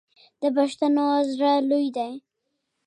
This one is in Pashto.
د پښتنو زړه لوی دی.